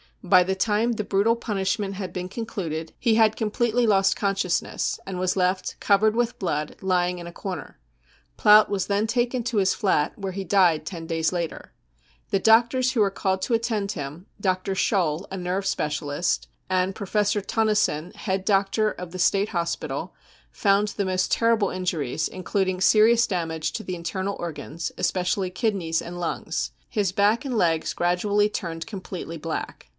By the time the brutal punish ment had been concluded he had completely lost conscious ness, and was left, covered with blood, lying in a corner. | Haut was then taken to his flat, where he died ten days j 1 later. The doctors who were called to attend him, Dr. j ! Scholl, a nerve specialist, and Prof Tonnisen, head doctor ; 1 of the State Hospital, found the most terrible injuries, in '| eluding serious damage to the internal organs, especially kidneys and lungs. His back and legs gradually turned j completely black.